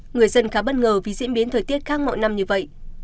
người dân khá bất ngờ vì diễn biến thời tiết khác mọi năm như vậy